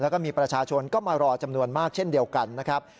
แล้วก็มีประชาชนก็มารอจำนวนมากเช่นเดียวกันนะครับ